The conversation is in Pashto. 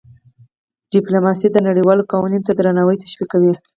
ډيپلوماسي د نړیوالو قوانینو ته درناوی تشویقوي.